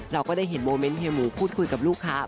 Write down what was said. เราก็ได้เห็นโมเมนต์เฮหมูพูดคุยกับลูกค้า